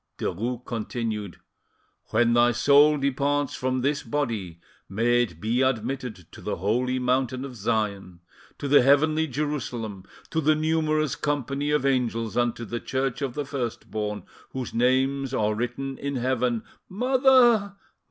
Derues continued— "When thy soul departs from this body may it be admitted to the holy Mountain of Sion, to the Heavenly Jerusalem, to the numerous company of Angels, and to the Church of the First born, whose names are written in Heaven——" "Mother!